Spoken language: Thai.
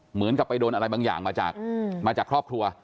เหมือนกับไปโดนอะไรบางอย่างมาจากครอบครัว